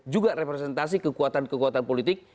juga representasi kekuatan kekuatan politik